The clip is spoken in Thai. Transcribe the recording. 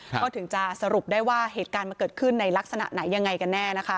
ก็ถึงจะสรุปได้ว่าเหตุการณ์มันเกิดขึ้นในลักษณะไหนยังไงกันแน่นะคะ